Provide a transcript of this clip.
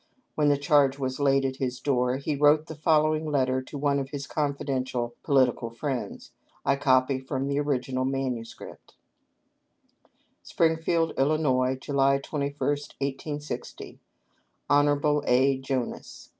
When the charge was laid at his door he wrote the following letter to one of his confidential political friends. I copy from the original MS.: [Confidential.] "Springfield, Ills., July 21, i860. " Hon. A. Jonas.